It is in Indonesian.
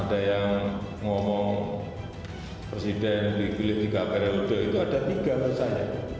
ada yang ngomong presiden dikulit tiga periode itu ada tiga masanya